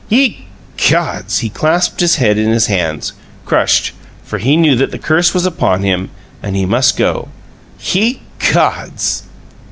"Ye gods!" He clasped his head in his hands, crushed, for he knew that the curse was upon him and he must go. "Ye gods!"